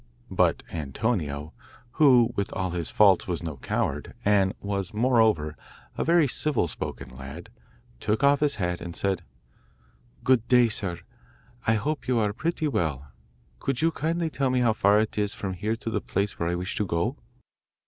But Antonio, who, with all his faults, was no coward, and was moreover a very civil spoken lad, took off his hat, and said: 'Good day, sir; I hope you are pretty well. Could you kindly tell me how far it is from here to the place where I wish to go?